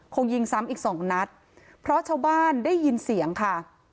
ยิงซ้ำอีกสองนัดเพราะชาวบ้านได้ยินเสียงค่ะ